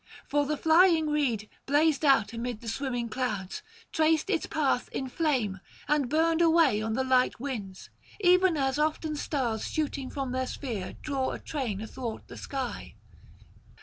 For the flying reed blazed out amid the swimming clouds, traced its path in flame, and burned away on the light winds; even as often stars shooting from their sphere draw a train athwart the sky.